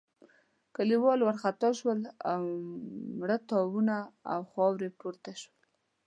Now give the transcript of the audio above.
کليوال وارخطا شول او مړه تاوونه له خاورو پورته شول.